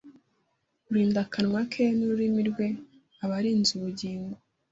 Urinda akanwa ke n ururimi rwe aba arinze ubugingo